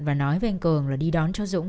và nói với anh cường là đi đón cháu dũng